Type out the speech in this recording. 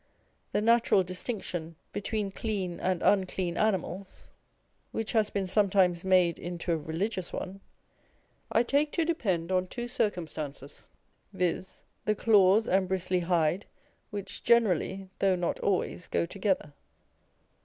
The natural distinction between clean and unclean animals (which has been sometimes made into a religious one) I take to depend on two circumstances, viz., the claws and bristly hide, which generally, though not always, go together.